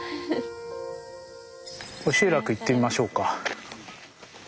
集落行ってみましょうか。